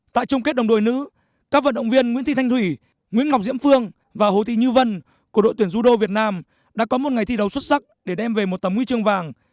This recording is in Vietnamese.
tại chung kết đồng đội nữ các vận động viên nguyễn thị thanh thủy nguyễn ngọc diễm phương và hồ thị như vân của đội tuyển judo việt nam đã có một ngày thi đấu xuất sắc để đem về một tấm huy chương vàng